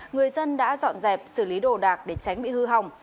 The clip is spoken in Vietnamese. người dân đã dọn dẹp xử lý đồ đạc để tránh bị hư hỏng